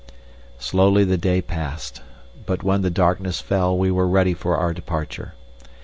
Slowly the day passed, but when the darkness fell we were ready for our departure.